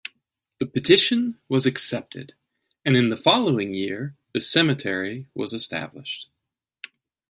The petition was accepted and in the following year the cemetery was established.